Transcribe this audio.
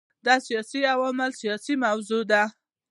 دا د سیاسي علومو اساسي موضوع ده.